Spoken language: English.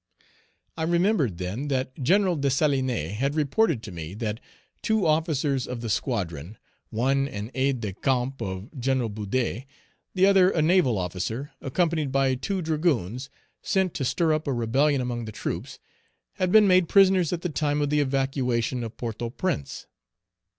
I remembered then that Gen. Dessalines had reported to me that two officers of the squadron one an aide de camp of Page 310 Gen. Boudet, the other a naval officer, accompanied by two dragoons, sent to stir up a rebellion among the troops had been made prisoners at the time of the evacuation of Port au Prince.